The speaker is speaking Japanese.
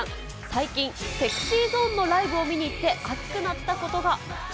最近、ＳｅｘｙＺｏｎｅのライブを見に行って熱くなったことが。